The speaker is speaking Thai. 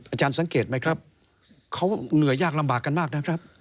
อาจารย์สังเกตไหมครับเขาเหนื่อยยากลำบากกันมากนะครับ